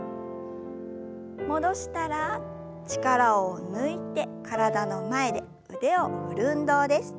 戻したら力を抜いて体の前で腕を振る運動です。